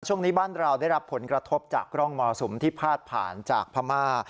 ช่วงนี้บ้านเราได้รับผลกระทบจากร่องมรสุมที่พาดผ่านจากพม่า